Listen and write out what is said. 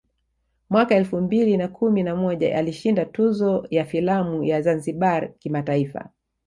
Mwaka elfu mbili na kumi na moja alishinda tuzo ya filamu ya ZanzibarI kimataifa